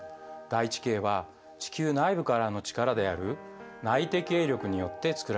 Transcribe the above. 大地形は地球内部からの力である内的営力によって作られます。